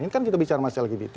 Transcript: ini kan kita bicara masalah lgbt